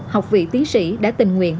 học vị tí sĩ đã tình nguyện